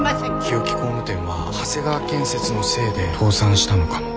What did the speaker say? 日置工務店は長谷川建設のせいで倒産したのかも。